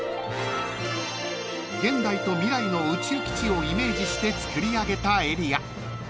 ［現代と未来の宇宙基地をイメージして作り上げたエリア］